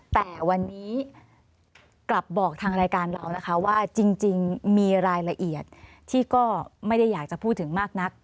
แต่วันนี้กลับบอกทางรายการเรานะคะว่าจริงมีรายละเอียดที่ก็ไม่ได้อยากจะพูดถึงมากนัก